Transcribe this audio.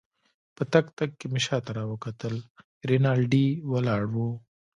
په تګ تګ کې مې شاته راوکتل، رینالډي ولاړ وو.